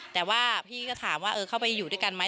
แต่ว่าพี่ก็ถามว่าเข้าไปอยู่ด้วยกันไหม